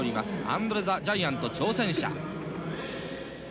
アンドレ・ザ・ジャイアント挑戦者。